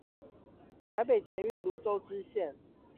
臺北捷運蘆洲支線